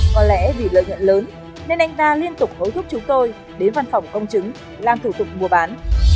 có lẽ vì lợi nhuận lớn nên anh ta liên tục hối thúc chúng tôi đến văn phòng công chứng làm thủ tục mua bán